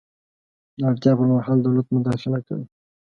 د اړتیا پر مهال دولت مداخله کوي.